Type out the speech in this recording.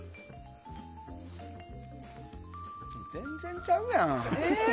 全然ちゃうやん。